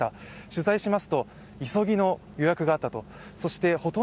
取材しますと急ぎの予約があったと。